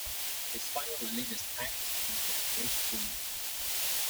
His final religious act was to embrace Buddhism.